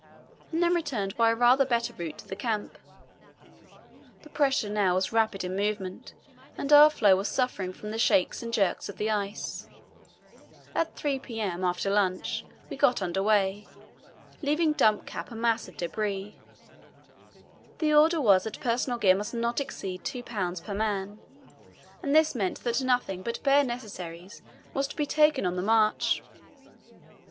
and then returned by a rather better route to the camp. The pressure now was rapid in movement and our floe was suffering from the shakes and jerks of the ice. At 3 p.m., after lunch, we got under way, leaving Dump Camp a mass of debris. The order was that personal gear must not exceed two pounds per man, and this meant that nothing but bare necessaries was to be taken on the march.